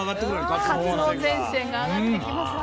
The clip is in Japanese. かつお前線が上がってきます。